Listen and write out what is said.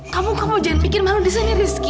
kamu kamu jangan pikir malu di sini rizky